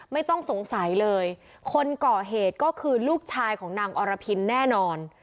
ไม่ต้องสงสัยเลยคนก่อเหตุก็คือลูกชายของนางอรพินแน่นอน